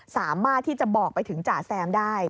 สามารถที่จะบอกไปถึงจ่าแซมได้